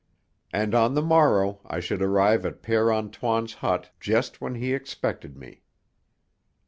And on the morrow I should arrive at Père Antoine's hut just when he expected me.